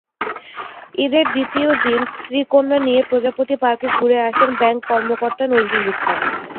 ঈদের দ্বিতীয় দিন স্ত্রী-কন্যা নিয়ে প্রজাপতি পার্কে ঘুরতে আসেন ব্যাংক কর্মকর্তা নজরুল ইসলাম।